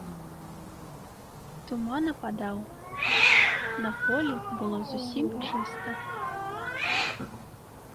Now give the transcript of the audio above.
Туман ападаў, на полі было зусім чыста.